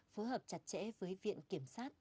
phối hợp chặt chẽ với viện kiểm soát